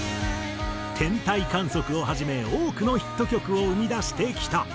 『天体観測』をはじめ多くのヒット曲を生み出してきた。